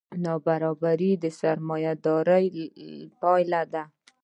نابرابري د سرمایهدارۍ پایله ده.